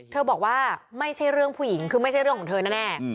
บอกว่าไม่ใช่เรื่องผู้หญิงคือไม่ใช่เรื่องของเธอแน่